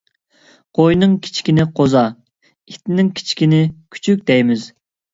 قوينىڭ كىچىكىنى قوزا، ئىتنىڭ كىچىكىنى كۈچۈك دەيمىز.